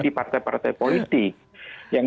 di partai partai politik yang